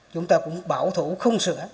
chúng ta cũng bảo thủ không sửa